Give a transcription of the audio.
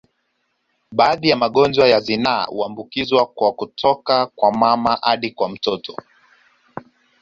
Baadhi ya magonjwa ya zinaa huambukiza kwa kutoka kwa mama hadi kwa mtoto